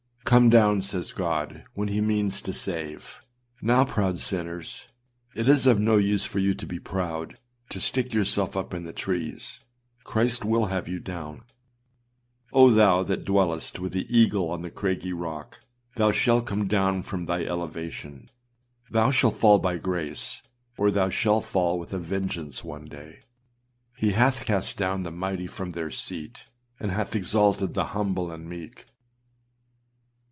âCome down,â says God, when he means to save. Now, proud sinners, it is of no use for you to be proud, to stick yourselves up in the trees; Christ will have you down. Oh, thou that dwellest 323 Spurgeonâs Sermons Vol. II ClassicChristianLibrary.com with the eagle on the craggy rock, thou shalt come down from thy elevation; thou shalt fall by grace, or thou shalt fall with a vengeance one day. He âhath cast down the mighty from their seat, and hath exalted the humble and meek.